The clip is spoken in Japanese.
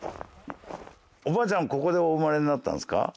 おばあちゃんはここでお生まれになったんですか？